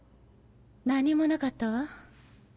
何もなかったわ。